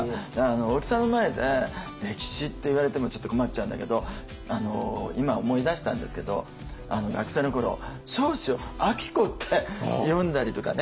大木さんの前で歴史っていわれてもちょっと困っちゃうんだけど今思い出したんですけど学生の頃彰子を「あきこ」って読んだりとかね。